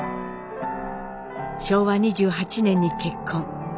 昭和２８年に結婚。